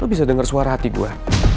lo bisa denger suara hati gue